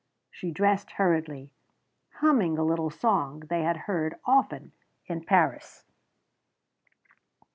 She dressed hurriedly, humming a little song they had heard often in Paris.